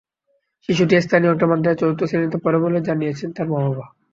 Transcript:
শিশুটি স্থানীয় একটি মাদ্রাসায় চতুর্থ শ্রেণিতে পড়ে বলে জানিয়েছেন তার মা-বাবা।